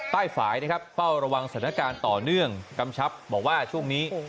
ฝ่ายนะครับเฝ้าระวังสถานการณ์ต่อเนื่องกำชับบอกว่าช่วงนี้